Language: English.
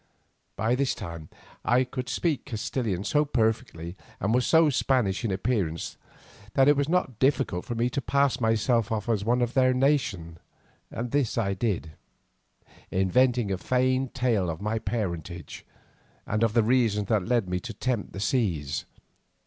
By this time I could speak Castilian so perfectly, and was so Spanish in appearance, that it was not difficult for me to pass myself off as one of their nation and this I did, inventing a feigned tale of my parentage, and of the reasons that led me to tempt the seas.